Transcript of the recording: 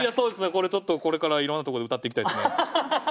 これちょっとこれからいろんなところで歌っていきたいですね。